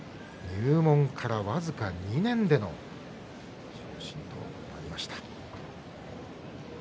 入門から僅か２年での昇進となりました。